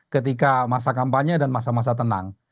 ketika masa kampanye dan masa masa tenang